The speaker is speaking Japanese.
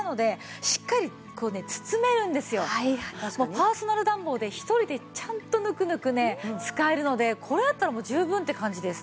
パーソナル暖房で一人でちゃんとぬくぬく使えるのでこれあったらもう十分って感じです。